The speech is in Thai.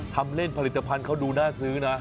ทำเล่นผลิตภัณฑ์เขาดูน่าซื้อนะ